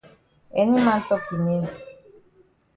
Any man tok e name.